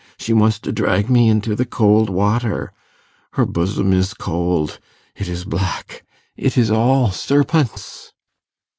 she wants to drag me into the cold water ... her bosom is cold ... it is black ... it is all serpents